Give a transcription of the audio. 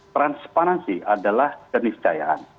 transparansi adalah jenis cahayaan